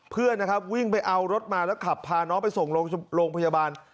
เพื่อนนะครับวิ่งไปเอารถมาแล้วขับพาน้องไปส่งโรงพยาบาล